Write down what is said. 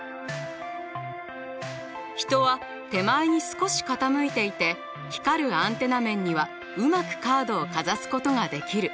人は手前に少し傾いていて光るアンテナ面にはうまくカードをかざすことができる。